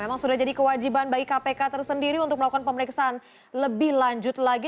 memang sudah jadi kewajiban bagi kpk tersendiri untuk melakukan pemeriksaan lebih lanjut lagi